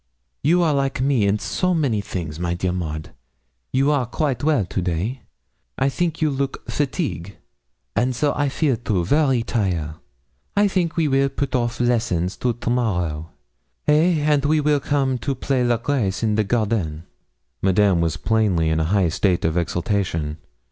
You are like me in so many things, my dear Maud! Are you quaite well to day? I think you look fateague; so I feel, too, vary tire. I think we weel put off the lessons to to morrow. Eh? and we will come to play la grace in the garden.' Madame was plainly in a high state of exultation.